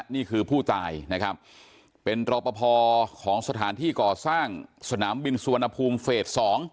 นี่คือผู้ตายนะครับเป็นรอปภของสถานที่ก่อสร้างสนามบินสุวรรณภูมิเฟส๒